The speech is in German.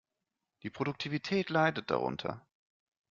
Die Produktivität leidet darunter.